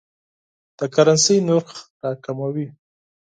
د کرنسۍ نرخ راکموي.